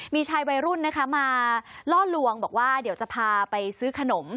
มีชายวัยรุ่นนะคะมาล่อลวงบอกว่าเดี๋ยวจะพาไปซื้อขนม